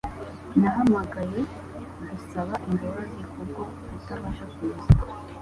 Nahamagaye gusaba imbabazi kubwo kutabasha kuza